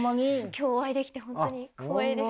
今日お会いできて本当に光栄です。